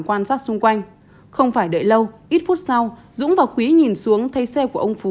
quan sát xung quanh không phải đợi lâu ít phút sau dũng và quý nhìn xuống thấy xe của ông phú